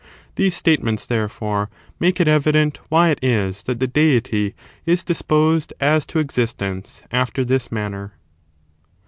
These statements, there fore, msike it evident why it is that the Deity is disposed as to existence after this manner.